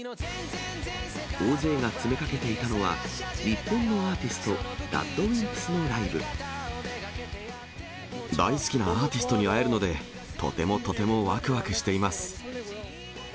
大勢が詰めかけていたのは、日本のアーティスト、大好きなアーティストに会えるので、とてもとてもわくわくしています。